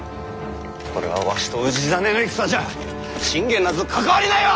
これはわしと氏真の戦じゃ信玄なぞ関わりないわ！